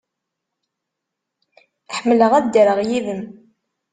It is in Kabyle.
Ḥemmleɣ ad ddreɣ yid-m.